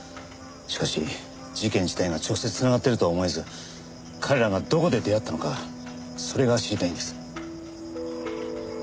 しかし事件自体が直接繋がっているとは思えず彼らがどこで出会ったのかそれが知りたいんです。